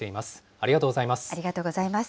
ありがとうございます。